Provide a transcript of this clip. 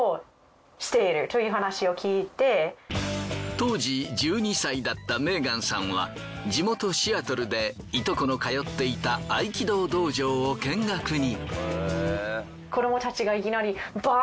当時１２歳だったメーガンさんは地元シアトルでいとこの通っていた合気道道場を見学に。